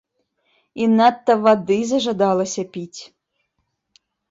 І надта вады зажадалася піць.